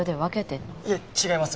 いえ違います！